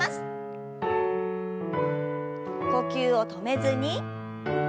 呼吸を止めずに。